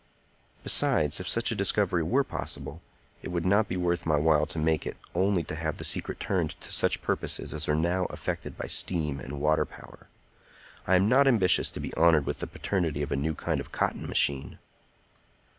Besides, if such a discovery were possible, it would not be worth my while to make it only to have the secret turned to such purposes as are now effected by steam and water power. I am not ambitious to be honored with the paternity of a new kind of cotton machine."